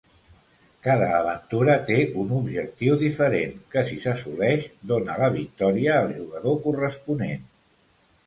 Cada aventura té un objectiu diferent que si s'assoleix, dóna la victòria al jugador corresponent.